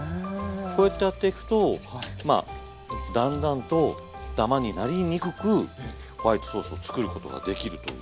こうやってやっていくとまあだんだんとダマになりにくくホワイトソースを作ることができるという。